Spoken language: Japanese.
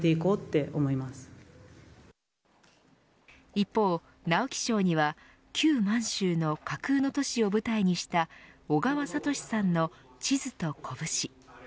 一方、直木賞には旧満州の架空の都市を舞台にした小川哲さんの地図と拳。